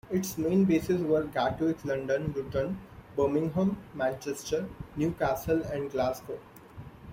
Its main bases were Gatwick, London Luton, Birmingham, Manchester, Newcastle and Glasgow.